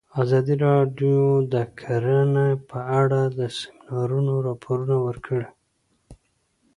ازادي راډیو د کرهنه په اړه د سیمینارونو راپورونه ورکړي.